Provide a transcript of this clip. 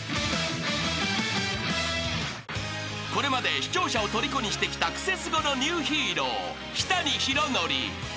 ［これまで視聴者をとりこにしてきた『クセスゴ』のニューヒーロー日谷ヒロノリ］